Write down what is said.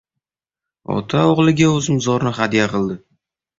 Ota o‘g‘liga uzumzorni hadya qildi.